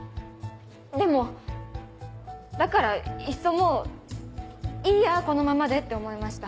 でもだからいっそもういいやこのままでって思いました。